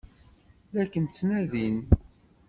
La ken-ttnadin.